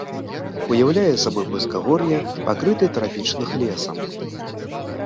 Уяўляе сабой пласкагор'е, пакрытае трапічных лесам.